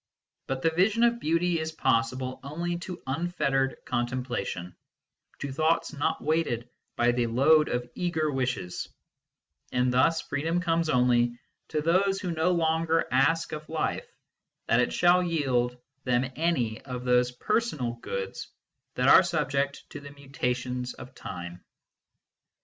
But the vision of beauty is possible only to unfettered contemplation, to thoughts not weighted by the load of eager wishes ; and thus Freedom comes only to those who no longer ask of life that it shall yield them any of those personal goods that are subject to the mutations of Time.